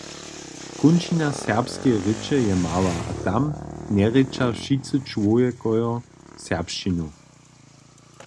Kónčina serbskeje rěče je mała, a tam njerěča wšitcy čłowjekojo serbšćinu.